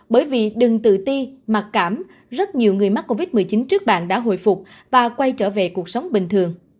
bởi vì đừng tự ti mặc cảm rất nhiều người mắc covid một mươi chín trước bạn đã hồi phục và quay trở về cuộc sống bình thường